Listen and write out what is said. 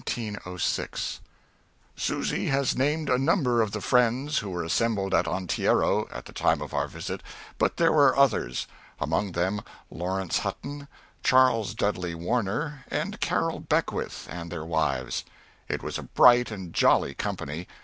_] Susy has named a number of the friends who were assembled at Onteora at the time of our visit, but there were others among them Laurence Hutton, Charles Dudley Warner, and Carroll Beckwith, and their wives. It was a bright and jolly company.